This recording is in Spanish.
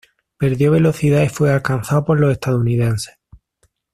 Perdió velocidad y fue alcanzado por los estadounidenses.